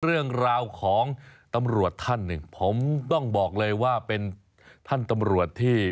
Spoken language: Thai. เรื่องราวของตำรวจท่านหนึ่งผมต้องบอกเลยว่าเป็นท่านตำรวจที่